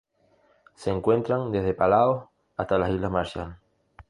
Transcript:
Se encuentran desde Palaos hasta las Islas Marshall.